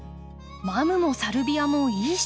マムもサルビアもいい勝負！